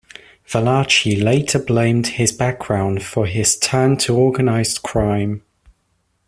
Valachi later blamed his background for his turn to organized crime.